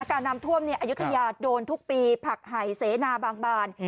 อาการน้ำท่วมเนี่ยอายุทยาโดนทุกปีผลักหายเสนาบางบาน